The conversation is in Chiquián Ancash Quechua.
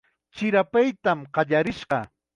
Chirapaytam qallarishqa.